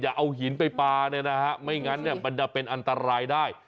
เอาหินไปปลาเนี่ยนะฮะไม่งั้นเนี่ยมันจะเป็นอันตรายได้